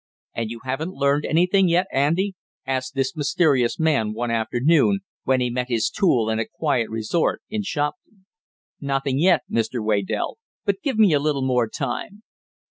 "And you haven't learned anything yet, Andy?" asked this mysterious man one afternoon, when he met his tool in a quiet resort in Shopton. "Nothing yet, Mr. Waydell. But give me a little more time."